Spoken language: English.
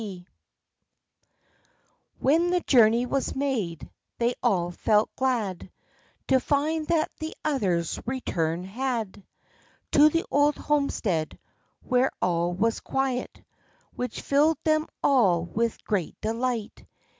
\ When the journey was made, they all felt glad To find that the others returned had To the old homestead, where all was quiet, Which filled them all with great delight.